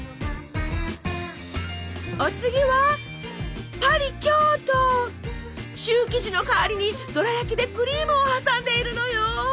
お次はシュー生地の代わりにどら焼きでクリームを挟んでいるのよ。